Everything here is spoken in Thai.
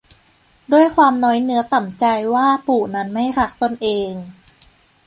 ด้วยความน้อยเนื้อต่ำใจว่าปู่นั้นไม่รักตนเอง